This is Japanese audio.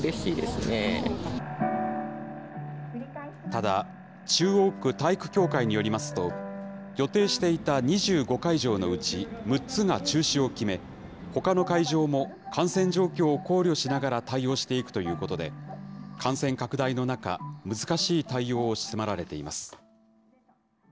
ただ、中央区体育協会によりますと、予定していた２５会場のうち、６つが中止を決め、ほかの会場も感染状況を考慮しながら対応していくということで、感染拡大の中、難しい対応を迫られています。